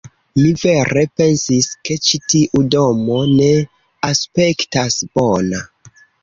Mi vere pensis, ke ĉi tiu domo ne aspektas bona